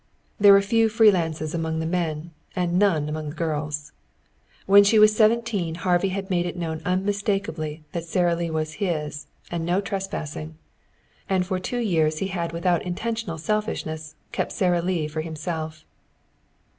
There were few free lances among the men, and none among the girls. When she was seventeen Harvey had made it known unmistakably that Sara Lee was his, and no trespassing. And for two years he had without intentional selfishness kept Sara Lee for himself.